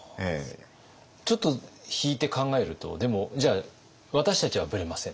ちょっと引いて考えるとでもじゃあ私たちはブレません